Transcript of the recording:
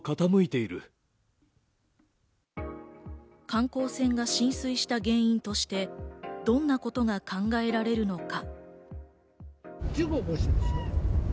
観光船が浸水した原因として、どんなことが考えられるのか？